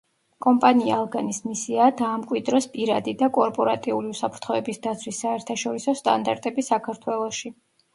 კომპანია „ალგანის“ მისიაა დაამკვიდროს პირადი და კორპორატიული უსაფრთხოების დაცვის საერთაშორისო სტანდარტები საქართველოში.